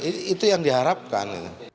nah itu yang diharapkan